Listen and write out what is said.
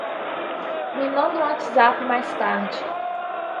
Me manda um WhatsApp mais tarde